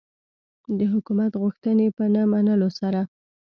د حکومت غوښتنې په نه منلو سره.